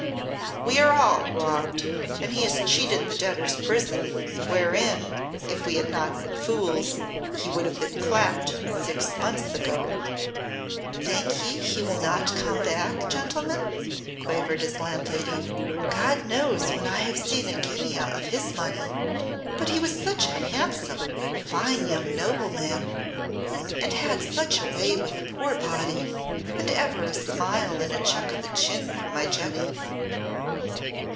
"We are all robbed, and he has cheated the debtors' prison, wherein, if we had not been fools, he would have been clapped six months ago." "Think ye he will not come back, gentlemen?" quavered his landlady. "God knows when I have seen a guinea of his money but he was such a handsome, fine young nobleman, and had such a way with a poor body, and ever a smile and a chuck o' the chin for my Jenny."